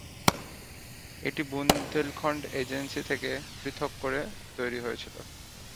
এটি বুন্দেলখণ্ড এজেন্সি থেকে পৃথক করে তৈরী হয়েছিল।